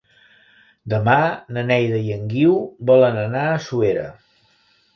Demà na Neida i en Guiu volen anar a Suera.